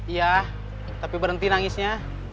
iya tapi berhenti nangisnya